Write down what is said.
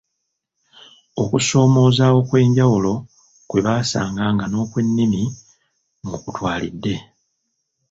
Okusomoooza okw’enjawulo kwe basanga nga n’okwennimi mw’okutwalidde.